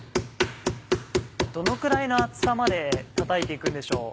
どのくらいの厚さまでたたいて行くんでしょう？